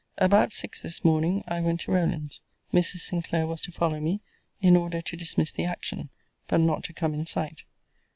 About six this morning, I went to Rowland's. Mrs. Sinclair was to follow me, in order to dismiss the action; but not to come in sight.